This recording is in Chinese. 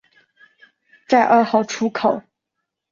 在二号出口